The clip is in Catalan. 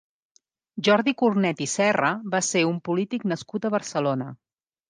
Jordi Cornet i Serra va ser un polític nascut a Barcelona.